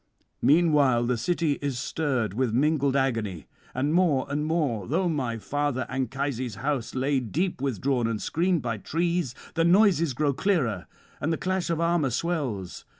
'Meanwhile the city is stirred with mingled agony; and more and more, though my father Anchises' house lay deep withdrawn and screened by trees, the noises grow clearer and the clash of armour swells.